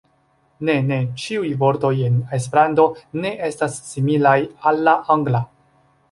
Ne, ne, ĉiuj vortoj en Esperanto ne estas similaj al la Angla.